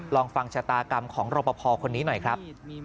ลองฟังชะตากรรมของรปภคนนี้หน่อยครับ